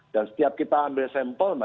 dan setiap kita ambil sampel